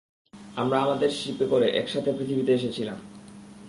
আমরা আমাদের শিপে করে একসাথে পৃথিবীতে এসেছিলাম।